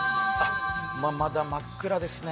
今、まだ真っ暗ですね。